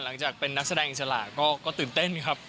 หลังจากเป็นนักแสดงอิสระก็ตื่นเต้นครับ